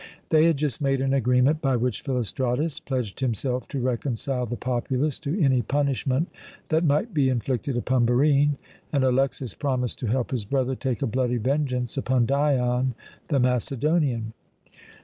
They had just made an agreement by which Philostratus pledged himself to reconcile the populace to any punishment that might be inflicted upon Barine, and Alexas promised to help his brother take a bloody vengeance upon Dion the Macedonian.